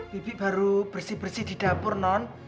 bibi baru bersih bersih di dapur non